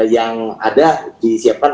yang ada disiapkan